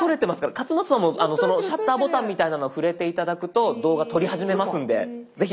勝俣さんもそのシャッターボタンみたいなのを触れて頂くと動画撮り始めますんで是非。